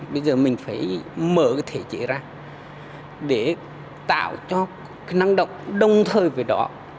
bây giờ mình phải mở cái thể chế ra để tạo cho cái năng động đồng thời với đó